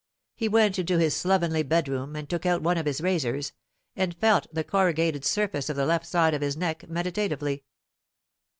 He went into his slovenly bedroom, and took out one of his razors, and felt the corrugated surface of the left side of his neck meditatively.